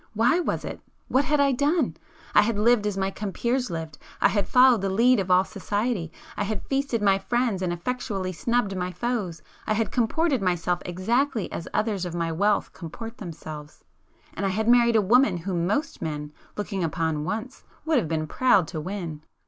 Why was it? What had I done? I had lived as my compeers lived,—I had followed the lead of all society,—I had feasted my friends and effectually 'snubbed' my foes,—I had comported myself exactly as others of my wealth comport themselves,—and I had married a woman whom most men, looking upon once, would have been proud to win.